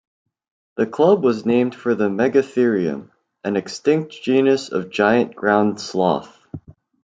The club was named for the "Megatherium", an extinct genus of giant ground sloth.